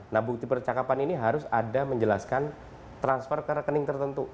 nah bukti percakapan ini harus ada menjelaskan transfer ke rekening tertentu